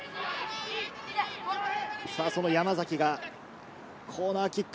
山崎がコーナーキック。